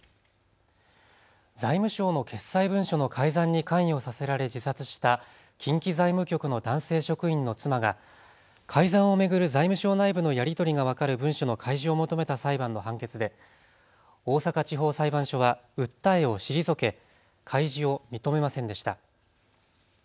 財務省の決裁文書の改ざんに関与させられ自殺した近畿財務局の男性職員の妻が改ざんを巡る財務省内部のやり取りが分かる文書の開示を求めた裁判の判決で大阪地方裁判所は訴えを退け開示を認めませんでした。